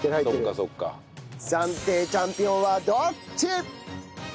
暫定チャンピオンはどっち！？